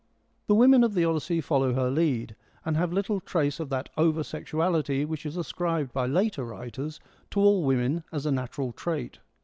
The women of the Odyssey follow her lead, and have little trace of that over sexuality which is ascribed by later writers to all women as a natural trait.